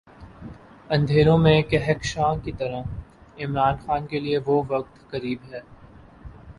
اندھیروں میں کہکشاں کی طرح عمران خان کے لیے وہ وقت قریب ہے۔